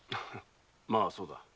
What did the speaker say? まそうだ。